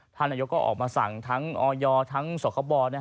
ท่านนายกก็ออกมาสั่งทั้งออย็อทั้งศักดิ์ประบอส